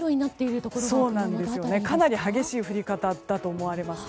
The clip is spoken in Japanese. かなり激しい降り方だと思われます。